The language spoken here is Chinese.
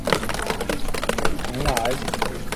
蓬莱虱蚜为扁蚜科雕胸扁蚜属下的一个种。